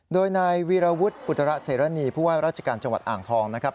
โดยนายวีรวุฒิอุตระเสรณีผู้ว่าราชการจังหวัดอ่างทองนะครับ